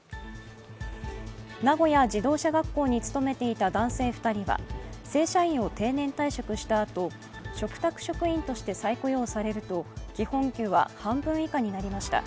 名古屋自動車学校に勤めていた男性２人は正社員を定年退職したあと、嘱託職員として再雇用されると基本給は半分以下になりました。